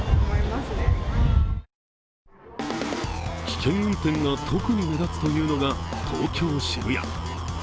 危険運転が特に目立つというのが東京・渋谷。